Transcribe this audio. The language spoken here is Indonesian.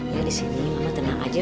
ya disini mama tenang aja